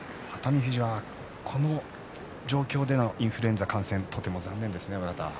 富士は、この状況でのインフルエンザ感染とても残念ですね、親方。